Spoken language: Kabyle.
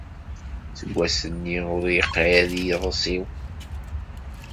Seg wass-nni ur yeqɛid yiḍes-iw.